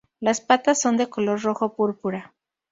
Las patas son de color rojo púrpura.